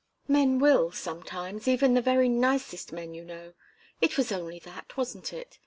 Men will, sometimes, even the very nicest men, you know. It was only that, wasn't it?